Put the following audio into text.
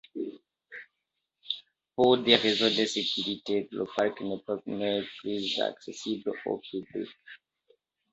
Pour des raisons de sécurité, le parc n'est plus accessible au public.